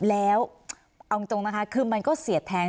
แล้วเอาจริงนะคะคือมันก็เสียดแทน